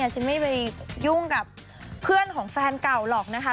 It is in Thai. ฉันไม่ไปยุ่งกับเพื่อนของแฟนเก่าหรอกนะคะ